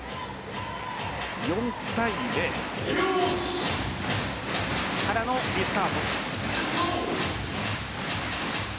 ４対０からのリスタート。